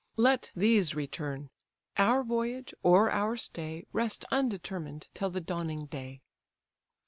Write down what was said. Let these return: our voyage, or our stay, Rest undetermined till the dawning day."